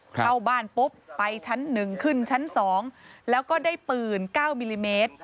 เข้าบ้านปุ๊บไปชั้น๑ขึ้นชั้น๒แล้วก็ได้ปืน๙มิลลิเมตร